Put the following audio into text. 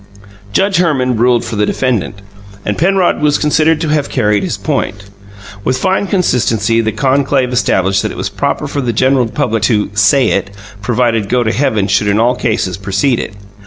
Judge Herman ruled for the defendant, and Penrod was considered to have carried his point. With fine consistency, the conclave established that it was proper for the general public to "say it," provided "go to heaven" should in all cases precede it.